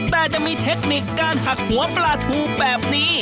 แต่จะมีเทคนิคการหักหัวปลาทูแบบนี้